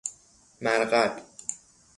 مرقد